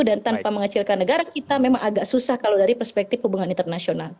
dan tanpa mengecilkan negara kita memang agak susah kalau dari perspektif hubungan internasional